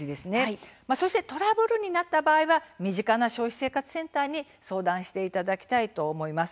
そしてトラブルになった場合は身近な消費生活センターに相談していただきたいと思います。